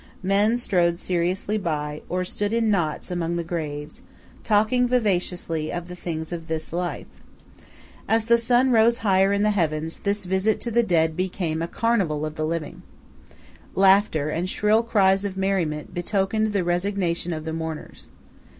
Men strode seriously by, or stood in knots among the graves, talking vivaciously of the things of this life. As the sun rose higher in the heavens, this visit to the dead became a carnival of the living. Laughter and shrill cries of merriment betokened the resignation of the mourners.